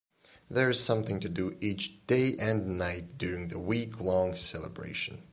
There is something to do each day and night during the week-long celebration.